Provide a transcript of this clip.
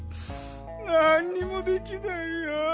なんにもできないや。